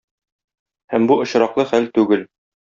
Һәм бу очраклы хәл түгел.